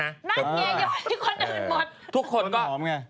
น่าเงียบอยที่คนอื่นหมด